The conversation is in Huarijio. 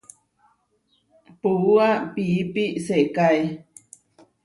Puúa piípi sekáe.